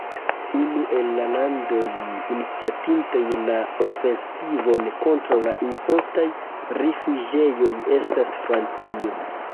Unu el la landoj iniciatintaj la ofensivon kontraŭ la impostaj rifuĝejoj estas Francio.